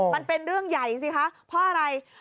มันเป็นเรื่องใหญ่สิคะเพราะอะไร